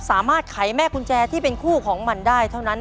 ไขแม่กุญแจที่เป็นคู่ของมันได้เท่านั้น